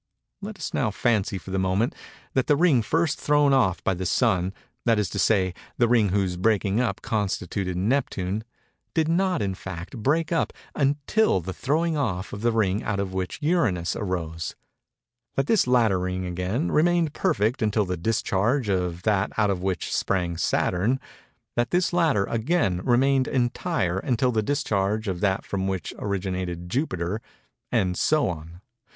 Let us now fancy, for the moment, that the ring first thrown off by the Sun—that is to say, the ring whose breaking up constituted Neptune—did not, in fact, break up until the throwing off of the ring out of which Uranus arose; that this latter ring, again, remained perfect until the discharge of that out of which sprang Saturn; that this latter, again, remained entire until the discharge of that from which originated Jupiter—and so on.